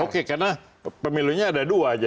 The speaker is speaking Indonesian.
oke karena pemilunya ada dua